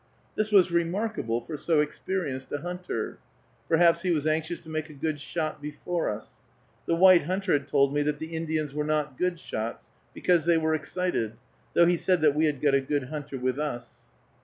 This was remarkable for so experienced a hunter. Perhaps he was anxious to make a good shot before us. The white hunter had told me that the Indians were not good shots, because they were excited, though he said that we had got a good hunter with us.